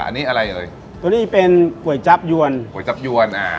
อันนี้อะไรเอ่ยตัวนี้เป็นก๋วยจับยวนก๋วยจับยวนอ่า